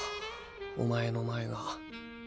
お前の前が。